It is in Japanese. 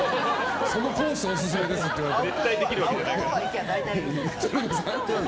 そのコースオススメですって言われても。